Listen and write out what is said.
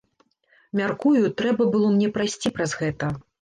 Мяркую, трэба было мне прайсці праз гэта.